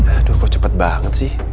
aduh kok cepet banget sih